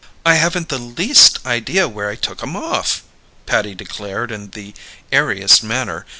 "I haven't the least idea where I took 'em off!" Patty declared in the airiest manner.